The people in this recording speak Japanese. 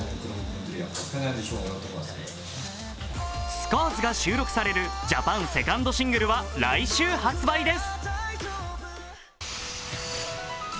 「Ｓｃａｒｓ」が収録されるジャパンセカンドシングルは来週発売です。